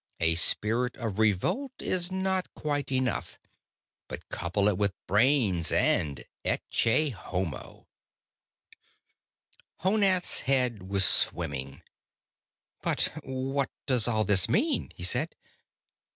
A spirit of revolt is not quite enough, but couple it with brains and ecce homo!" Honath's head was swimming. "But what does all this mean?" he said.